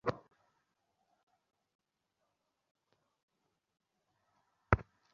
মহিমচন্দ্র এ সংসারে পশ্চাতে পড়িয়া থাকিবে না।